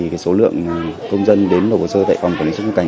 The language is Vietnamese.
thì số lượng công dân đến nổ hồ sơ tại phòng quản lý xuất trung cảnh